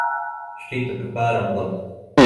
Šķita pat pārāk labi.